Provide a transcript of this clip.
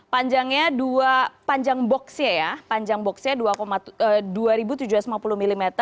panjangnya dua dua ratus tujuh puluh mm